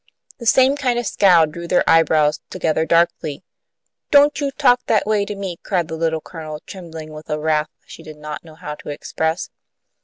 The same kind of scowl drew their eyebrows together darkly. "Don't you talk that way to me," cried the Little Colonel, trembling with a wrath she did not know how to express.